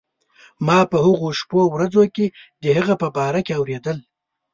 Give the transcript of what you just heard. ما په هغو شپو ورځو کې د هغه په باره کې اورېدل.